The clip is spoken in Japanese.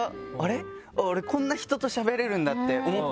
「俺こんな人としゃべれるんだ」って思ったんですよ。